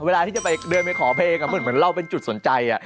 เวลาที่จะไปเดินไปขอเพลงเหมือนเราเป็นจุดสนใจ